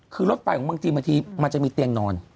คือรถไฟของเมืองจีนบางทีมันจะมีเตียงนอน